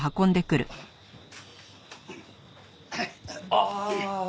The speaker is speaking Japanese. ああ！